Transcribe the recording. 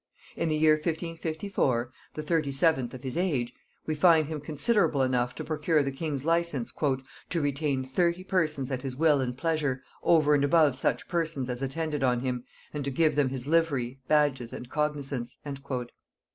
In the year 1554, the 37th of his age, we find him considerable enough to procure the king's license "to retain thirty persons at his will and pleasure, over and above such persons as attended on him, and to give them his livery, badges, and cognizance."